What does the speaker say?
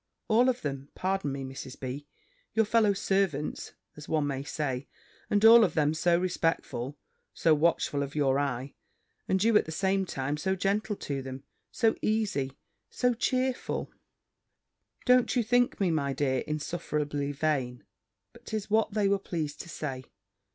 All of them, pardon me, Mrs. B., your fellow servants, as one may say, and all of them so respectful, so watchful of your eye; and you, at the same time, so gentle to them, so easy, so cheerful." Don't you think me, my dear, insufferably vain? But 'tis what they were pleased to say.